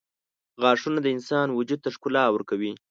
• غاښونه د انسان وجود ته ښکلا ورکوي.